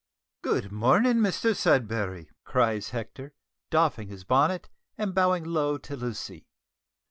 "Good morning, Mr Sudberry," cries Hector, doffing his bonnet and bowing low to Lucy.